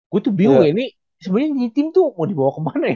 gue tuh bingung ini sebenarnya di tim tuh mau dibawa kemana ya